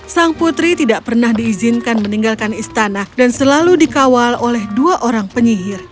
sang putri tidak pernah diizinkan meninggalkan istana dan selalu dikawal oleh dua orang penyihir